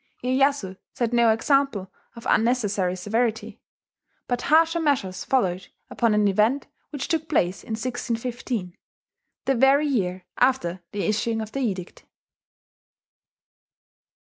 Iyeyasu set no example of unnecessary severity. But harsher measures followed upon an event which took place in 1615, the very year after the issuing of the edict.